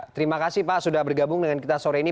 terima kasih pak sudah bergabung dengan kita sore ini